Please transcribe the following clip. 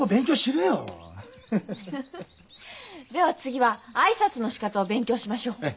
フフッでは次は挨拶のしかたを勉強しましょう。